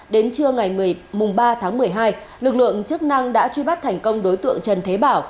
đến trưa ngày ba tháng một mươi hai lực lượng chức năng đã truy bắt thành công đối tượng trần thế bảo